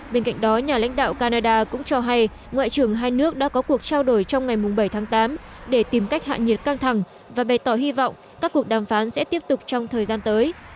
bên cạnh đó nhà lãnh đạo canada cũng cho hay ngoại trưởng hai nước đã có cuộc trao đổi trong ngày bảy tháng tám để tìm cách hạ nhiệt căng thẳng và bày tỏ hy vọng các cuộc đàm phán sẽ tiếp tục trong thời gian tới